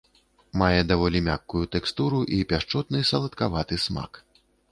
Мае даволі мяккую тэкстуру і пяшчотны саладкавы смак.